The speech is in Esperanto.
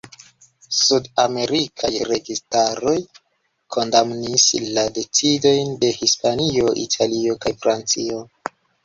Sud-amerikaj registaroj kondamnis la decidojn de Hispanio, Italio kaj Francio.